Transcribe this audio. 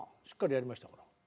しっかりやりましたから。